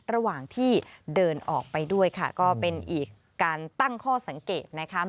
ระหว่างที่เดินออกไปด้วยค่ะก็เป็นอีกการตั้งข้อสังเกตนะคะ